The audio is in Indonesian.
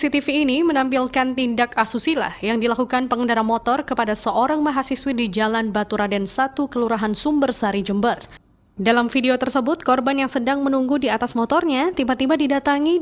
tindak asusila yang dilakukan pengendara motor di jembarak senin siang